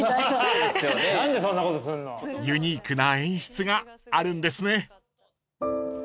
［ユニークな演出があるんですね］